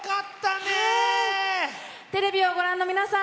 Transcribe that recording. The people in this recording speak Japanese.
テレビをご覧の皆さん